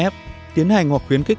f tiến hành hoặc khuyến khích